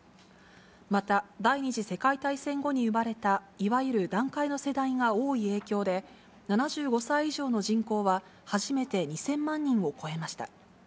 また、第２次世界大戦後に生まれたいわゆる団塊の世代が多い影響で、７５歳以上の人口は、初めて２０００万人を超えました。